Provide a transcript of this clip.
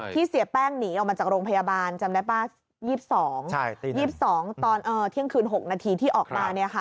เสียแป้งหนีออกมาจากโรงพยาบาลจำได้ป่ะ๒๒ตอนเที่ยงคืน๖นาทีที่ออกมา